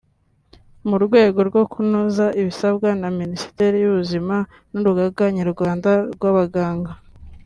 mu rwego rwo kunoza ibisabwa na Minisiteri y’Ubuzima n’Urugaga Nyarwanda rw’Abaganga